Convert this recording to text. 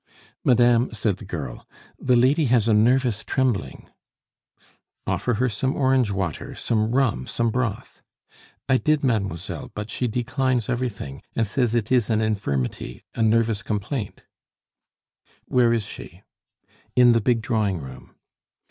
"Madame," said the girl, "the lady has a nervous trembling " "Offer her some orange water, some rum, some broth " "I did, mademoiselle; but she declines everything, and says it is an infirmity, a nervous complaint " "Where is she?" "In the big drawing room."